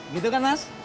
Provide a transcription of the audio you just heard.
gitu kan mas